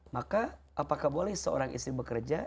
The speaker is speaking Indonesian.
maka apakah boleh seorang istri bekerja